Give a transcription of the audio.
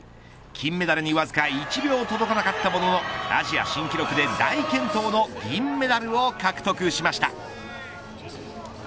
金メダルにわずか１秒届かなかったもののアジア新記録で大健闘の銀メダルを獲得しました。